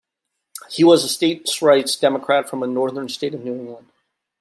He was a States-rights Democrat from a northern State of New England.